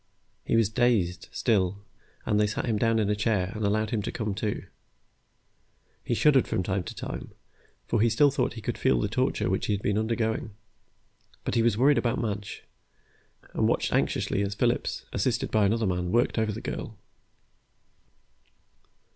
He was dazed, still, and they sat him down in a chair and allowed him to come to. He shuddered from time to time, for he still thought he could feel the torture which he had been undergoing. But he was worried about Madge, and watched anxiously as Phillips, assisted by another man, worked over the girl.